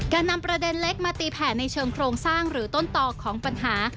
การนำประเด็นเล็กมาตีแผ่ในเชิงโครงสร้างหรือต้นต่อของปัญหา